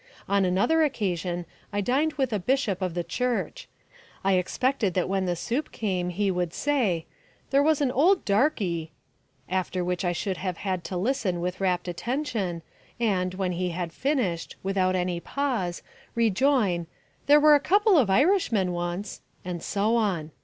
On another occasion I dined with a bishop of the Church. I expected that when the soup came he would say, "There was an old darky " After which I should have had to listen with rapt attention, and, when he had finished, without any pause, rejoin, "There were a couple of Irishmen once " and so on.